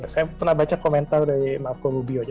saya pernah baca komentar dari marco rubio